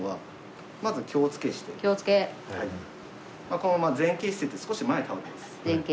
このまま前傾姿勢って少し前に倒れます。